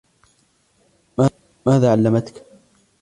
ماذا علمَتك ؟